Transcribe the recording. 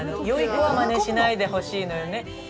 よい子はまねしないでほしいのよね。